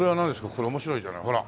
これ面白いじゃないほら